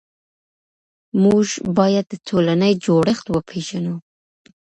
موږ بايد د ټولني جوړښت وپيژنو.